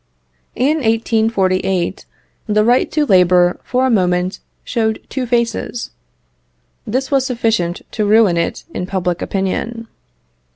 In 1848, the right to labour for a moment showed two faces. This was sufficient to ruin it in public opinion.